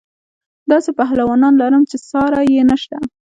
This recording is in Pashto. داسې پهلوانان لرم چې ساری یې نشته.